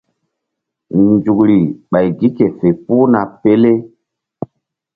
Nzukri ɓay gi ke fe puhna pele.